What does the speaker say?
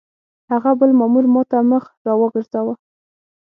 هغه بل مامور ما ته مخ را وګرځاوه.